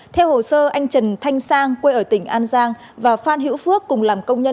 theo hồ sơ anh trần thanh sang quê ở tỉnh an giang và phan hữu phước cùng làm công nhân